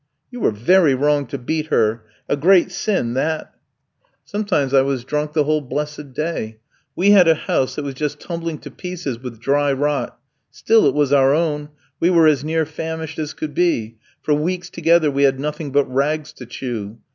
"You were very wrong to beat her; a great sin that?" "Sometimes I was drunk the whole blessed day. We had a house that was just tumbling to pieces with dry rot, still it was our own; we were as near famished as could be; for weeks together we had nothing but rags to chew.